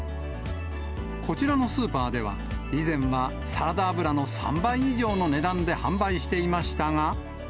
こちらのスーパーでは、以前はサラダ油の３倍以上の値段で販売していましたが。